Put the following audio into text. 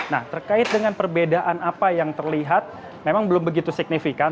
nah terkait dengan perbedaan apa yang terlihat memang belum begitu signifikan